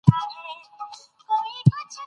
که تاسي زراعت ته پام ونه کړئ، عايد کمېږي.